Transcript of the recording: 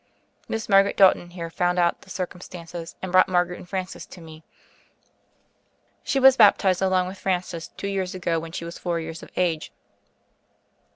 Miss Margaret Dalton here found out the circumstances, and brought both Margaret and Francis to me. She was baptized along with Francis two years ago, when she was four years of age."